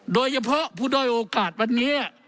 โดยเฉพาะผู้ด้อยโอกาสวันนี้